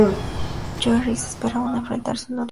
Joe Riggs esperaba enfrentarse a Uriah Hall en el evento.